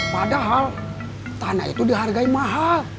padahal tanah itu dihargai mahal